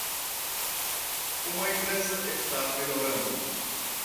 Uma empresa está melhorando